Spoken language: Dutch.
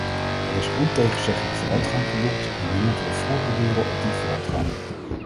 Er is ontegenzeggelijk vooruitgang geboekt en nu moeten we voortborduren op die vooruitgang.